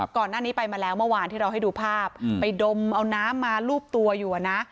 ก่อนหน้านี้ไปมาแล้วเมื่อวานที่เราให้ดูภาพไปดมเอาน้ำมารูปตัวอยู่นะ